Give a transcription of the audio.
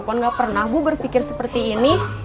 ibu popon gak pernah bu berfikir seperti ini